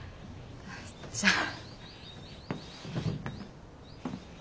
じゃあ。